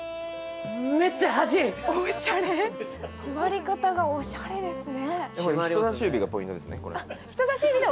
座り方がおしゃれですね。